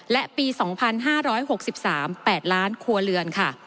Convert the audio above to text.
และปี๒๕๖๓๘ล้านครัวเรือนค่ะ